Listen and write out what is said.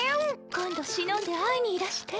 今度忍んで会いにいらして。